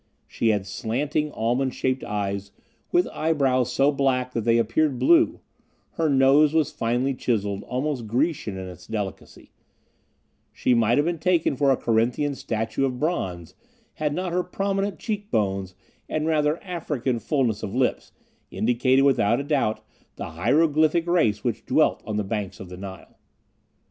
She had slanting almond shaped eyes, with eyebrows so black that they appeared blue; her nose was finely chiseled, almost Grecian in its delicacy; she might have been taken for a Corinthian statue of bronze, had not her prominent cheekbones and rather African fullness of lips indicated without a doubt the hieroglyphic race which dwelt on the banks of the Nile.